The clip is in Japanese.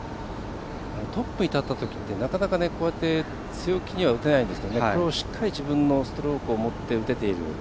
トップに立ったときってなかなか強気には打てないんですけどこれをしっかり自分のストロークをもって打てている。